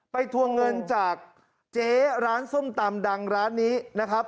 ทวงเงินจากเจ๊ร้านส้มตำดังร้านนี้นะครับ